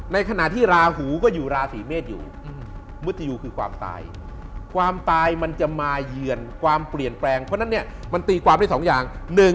ในขณะที่ราหูก็อยู่ราศีเมษอยู่มุทยูคือความตายความตายมันจะมาเยือนความเปลี่ยนแปลงเพราะฉะนั้นเนี่ยมันตีความได้๒อย่าง